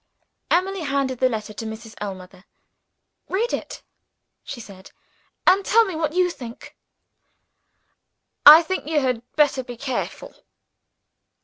Emily handed the letter to Mrs. Ellmother. "Read it," she said, "and tell me what you think." "I think you had better be careful."